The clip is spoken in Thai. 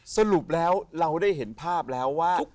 สรุปแล้วเราได้เห็นภาพแล้วว่า